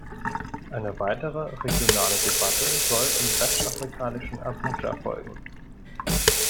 Eine weitere regionale Debatte soll im westafrikanischen Abuja folgen.